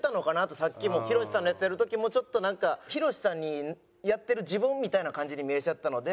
さっきもヒロシさんのやつやる時もちょっとなんかヒロシさんにやってる自分みたいな感じに見えちゃったので。